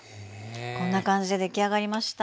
こんな感じで出来上がりました。